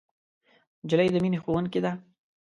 نجلۍ د مینې ښوونکې ده.